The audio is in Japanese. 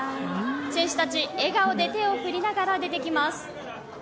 選手たち、笑顔で手を振りながら出てきます。